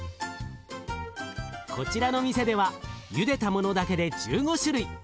こちらの店ではゆでたものだけで１５種類。